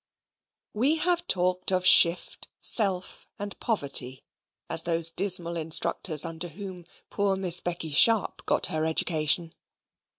We have talked of shift, self, and poverty, as those dismal instructors under whom poor Miss Becky Sharp got her education.